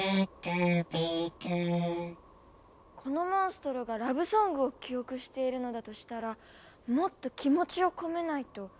このモンストロがラブソングを記憶しているのだとしたらもっと気持ちを込めないと。